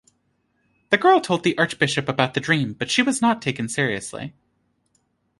The girl told the archbishop about the dream but she was not taken seriously.